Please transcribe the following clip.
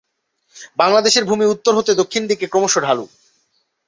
বাংলাদেশের ভূমি উত্তর হতে দক্ষিণ দিকে ক্রমশ ঢালু।